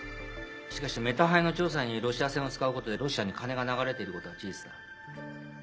しかしメタハイの調査にロシア船を使うことでロシアに金が流れていることは事実だ。